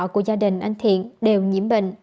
của gia đình anh thiện đều nhiễm